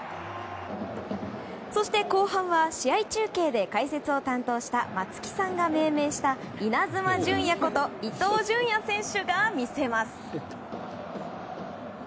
そして後半は試合中継で解説を担当した松木さんが命名したイナズマ純也こと伊東純也選手が見せます。